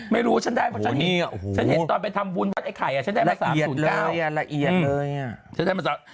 ไม่รู้ฉันได้เพราะฉันเห็นตอนไปทำบุญวัดไอ้ไข่ฉันได้มา๓๐๙ละเอียดเลย